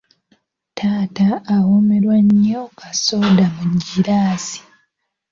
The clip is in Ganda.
Taata awoomerwa nnyo kassooda mu giraasi.